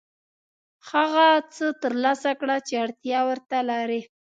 هغه څه ترلاسه کړه چې اړتیا ورته لرې.